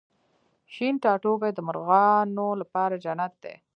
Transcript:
شین ټاټوبی د مرغانو لپاره جنت دی